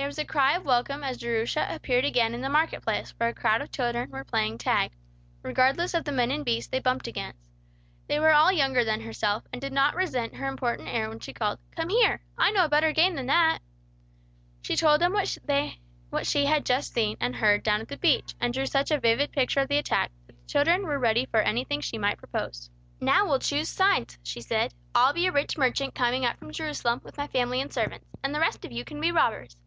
There was a cry of welcome as Jerusha appeared again in the market place, where a crowd of children were playing tag, regardless of the men and beasts they bumped against. They were all younger than herself, and did not resent her important air when she called, "Come here! I know a better game than that!" She told them what she had just seen and heard down at the beach, and drew such a vivid picture of the attack, that the children were ready for anything she might propose. "Now we'll choose sides," she said. "I'll be a rich merchant coming up from Jerusalem with my family and servants, and the rest of you can be robbers.